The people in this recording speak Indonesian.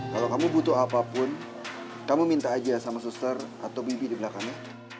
kalau kamu butuh apapun kamu minta aja sama suster atau mimpi di belakangnya